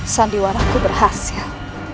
sandiwan aku berhasil